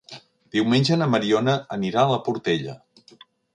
Diumenge na Mariona anirà a la Portella.